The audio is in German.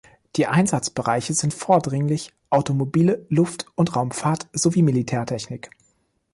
Die Einsatzbereiche sind vordringlich Automobile, Luft- und Raumfahrt sowie Militärtechnik.